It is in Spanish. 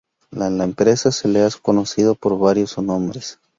A la empresa se le ha conocido por varios nombres.